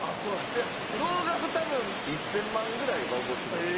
総額多分１０００万ぐらいはおごってもらってる。